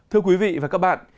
thưa quý vị và các bạn